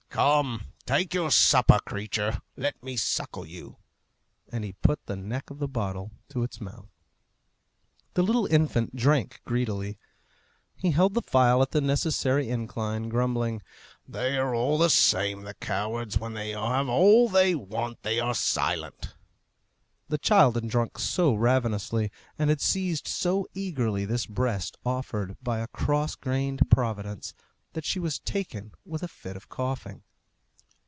"Come! take your supper, creature! Let me suckle you," and he put the neck of the bottle to its mouth. The little infant drank greedily. He held the phial at the necessary incline, grumbling, "They are all the same, the cowards! When they have all they want they are silent." The child had drunk so ravenously, and had seized so eagerly this breast offered by a cross grained providence, that she was taken with a fit of coughing.